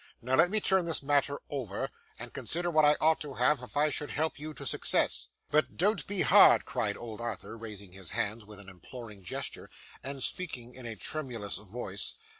'Now, let me turn this matter over, and consider what I ought to have if I should help you to success.' 'But don't be hard,' cried old Arthur, raising his hands with an imploring gesture, and speaking, in a tremulous voice.